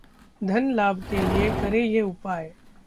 धन लाभ के लिए करें ये उपाय